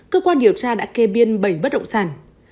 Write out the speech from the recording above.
cơ quan điều tra đã kê biên bảy bất động sản